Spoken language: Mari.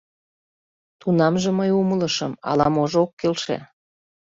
Тунамже мый умылышым: ала-можо ок келше.